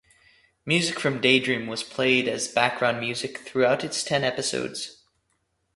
Music from "Daydream" was played as background music throughout its ten episodes.